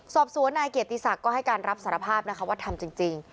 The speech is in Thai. สอบสวนนายเกียรติศักดิ์ก็ให้การรับสารภาพนะคะว่าทำจริง